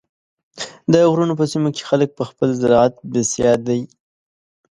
د غرونو په سیمو کې خلک په خپل زراعت بسیا دي.